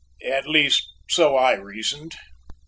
At least so I reasoned.